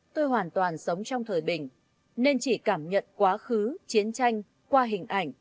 tôi hoàn toàn sống trong thời bình nên chỉ cảm nhận quá khứ chiến tranh qua hình ảnh